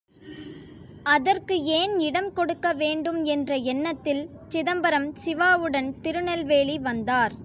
அதற்கு ஏன் இடம் கொடுக்க வேண்டும் என்ற எண்ணத்தில், சிதம்பரம், சிவாவுடன் திருநெல்வேலி வந்தார்.